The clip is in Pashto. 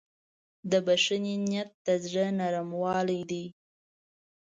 د بښنې نیت د زړه نرموالی دی.